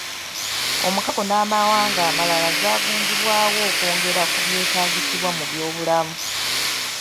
Omukago n'amawanga amalala zagunjibwawo okwongera ku byetaagisibwa mu by'obulamu.